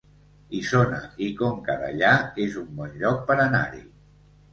Isona i Conca Dellà es un bon lloc per anar-hi